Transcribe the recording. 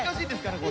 これ。